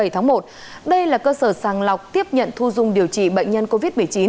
hai mươi bảy tháng một đây là cơ sở sàng lọc tiếp nhận thu dung điều trị bệnh nhân covid một mươi chín